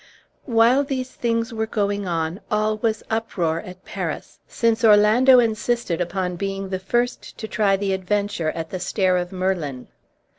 While these things were going on all was uproar at Paris, since Orlando insisted upon being the first to try the adventure at the stair of Merlin.